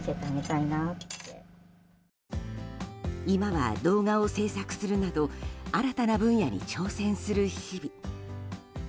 今は動画を製作するなど新たな分野に挑戦する日々。